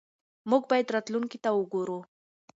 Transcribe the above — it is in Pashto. موږ باید راتلونکي ته وګورو.